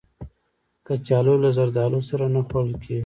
کچالو له زردالو سره نه خوړل کېږي